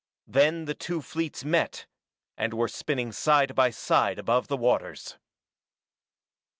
Then the two fleets met and were spinning side by side above the waters.